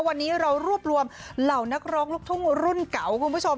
วันนี้เรารวบรวมเหล่านักร้องลูกทุ่งรุ่นเก่าคุณผู้ชม